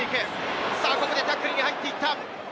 タックルに入っていった。